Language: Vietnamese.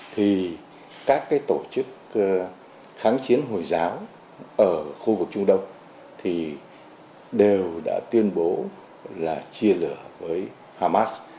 thì các cái tổ chức kháng chiến hồi giáo ở khu vực trung đông thì đều đã tuyên bố là chia lửa với hamas